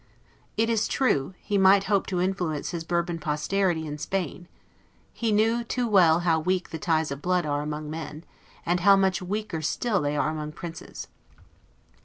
It is true, he might hope to influence his Bourbon posterity in Spain; he knew too well how weak the ties of blood are among men, and how much weaker still they are among princes.